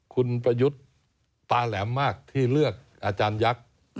คุณประยุทธ์ตาแหลมมากที่เลือกอาจารยักษ์